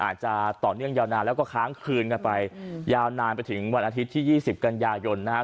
อาจจะต่อเนื่องยาวนานแล้วก็ค้างคืนกันไปยาวนานไปถึงวันอาทิตย์ที่๒๐กันยายนนะครับ